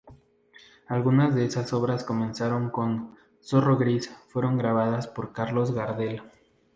Algunas de esas obras –comenzando con "Zorro gris"- fueron grabadas por Carlos Gardel.